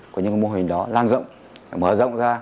của những mô hình đó lan rộng mở rộng ra